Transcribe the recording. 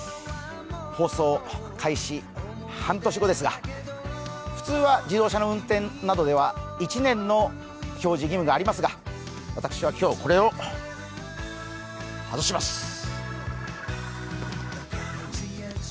放送開始半年後ですが、普通は自動車の運転では１年の表示義務がありますが私は今日、これを外します。